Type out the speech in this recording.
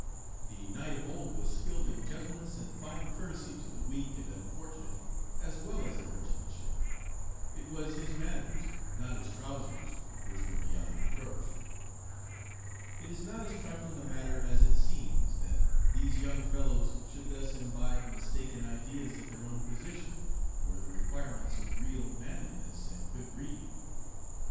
The knight of old was skilled in gentleness and fine courtesy to the weak and unfortunate as well as in horsemanship. It was his manners, not his trousers, which were beyond reproach. "It is not as trifling a matter as it seems that these young fellows should thus imbibe mistaken ideas of their own position or the requirements of real manliness and good breeding.